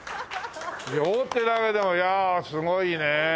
両手投げでいやあすごいね。